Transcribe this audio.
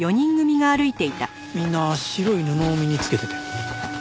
みんな白い布を身につけてて。